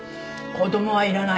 「子供はいらない。